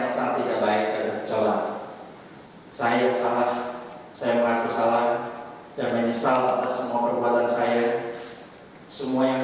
semua yang terjadi saya yakini adalah teguran tuhan